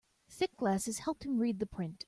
Thick glasses helped him read the print.